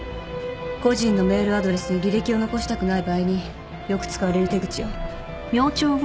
個人のメールアドレスに履歴を残したくない場合によく使われる手口よ。